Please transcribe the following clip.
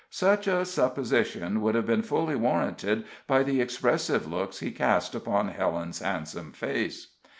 Such a supposition would have been fully warranted by the expressive looks he cast upon Helen's handsome face.